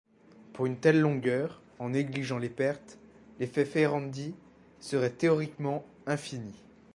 Pour une telle longueur, en négligeant les pertes, l'effet Ferranti serait théoriquement infini.